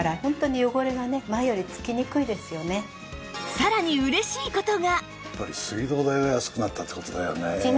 さらに嬉しい事が！